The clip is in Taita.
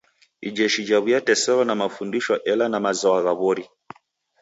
Ijeshi jaw'iateselwa na mafundisho ela na mazwagha w'ori.